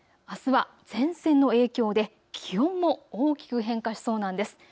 あすは前線の影響で気温も大きく変化しそうなんです。